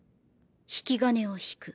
引き金を引く。